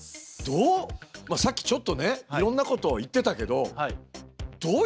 さっきちょっとねいろんなことを言ってたけどどういうふうに。